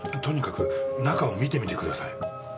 とにかく中を見てみてください。